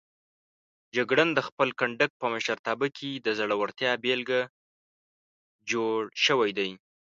جګړن د خپل کنډک په مشرتابه کې د زړورتیا بېلګه جوړ شوی دی.